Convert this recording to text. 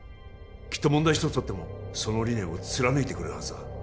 きっと問題一つとってもその理念を貫いてくれるはずだ